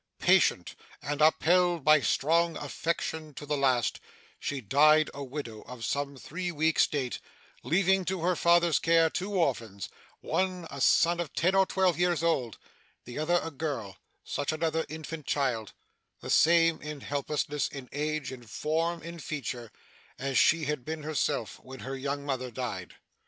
Patient, and upheld by strong affection to the last, she died a widow of some three weeks' date, leaving to her father's care two orphans; one a son of ten or twelve years old; the other a girl such another infant child the same in helplessness, in age, in form, in feature as she had been herself when her young mother died.